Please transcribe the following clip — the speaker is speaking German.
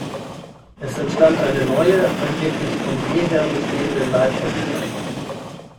Es entstand eine neue, angeblich von jeher bestehende Leibeigenschaft.